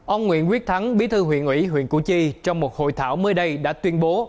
ông nguyễn quyết thắng bí thư huyện ủy huyện củ chi trong một hội thảo mới đây đã tuyên bố